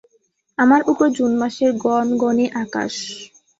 মাথার ওপর জুন মাসের গনগনে আকাশ।